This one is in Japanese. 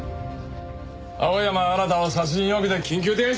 青山新を殺人容疑で緊急手配しろ！